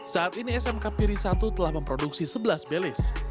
saat ini smk piri satu telah memproduksi sebelas belis